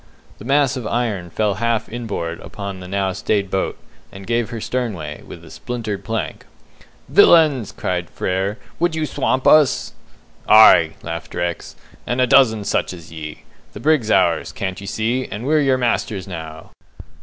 The mass of iron fell half in board upon the now stayed boat, and gave her sternway, with a splintered plank. "Villains!" cried Frere, "would you swamp us?" "Aye," laughed Rex, "and a dozen such as ye! The brig's ours, can't ye see, and we're your masters now!"